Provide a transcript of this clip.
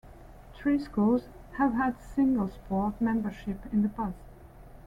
Three schools have had single-sport membership in the past.